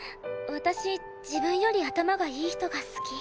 私自分より頭がいい人が好き。